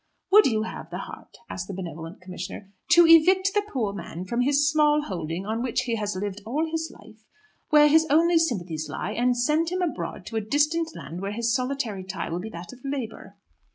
"Would you have the heart," asks the benevolent commissioner, "to evict the poor man from his small holding on which he has lived all his life, where his only sympathies lie, and send him abroad to a distant land, where his solitary tie will be that of labour?"